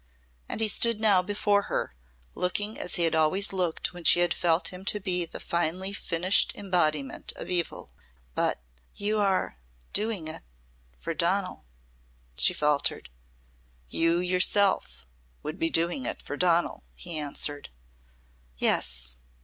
And he stood now before her looking as he had always looked when she had felt him to be the finely finished embodiment of evil. But "You are doing it for Donal," she faltered. "You yourself would be doing it for Donal," he answered. "Yes.